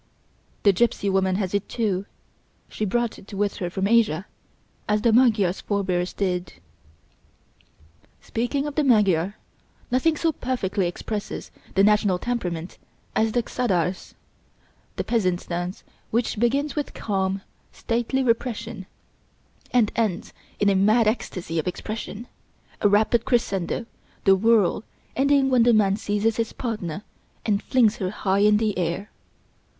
The Gipsy woman has it too, she brought it with her from Asia, as the Magyar's forebears did. Speaking of the Magyar, nothing so perfectly expresses the national temperament as the czardas that peasant dance which begins with calm, stately repression, and ends in a mad ecstasy of expression, the rapid crescendo, the whirl, ending when the man seizes his partner and flings her high in the air.